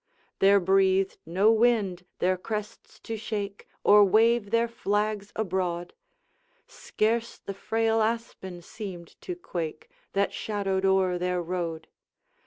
There breathed no wind their crests to shake, Or wave their flags abroad; Scarce the frail aspen seemed to quake That shadowed o'er their road.